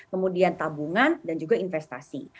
kemudian tabungan dan juga investasi